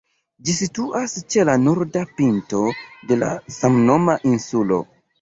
Ĝi situas ĉe la norda pinto de la samnoma insulo.